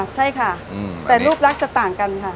ใช่ค่ะแต่รูปลักษณ์จะต่างกันค่ะ